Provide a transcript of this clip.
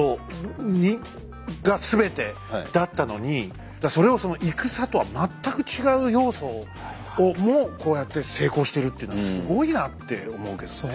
いろんなだからそれをその戦とは全く違う要素をもこうやって成功してるっていうのはすごいなって思うけどね。